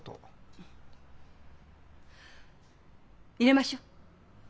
入れましょう。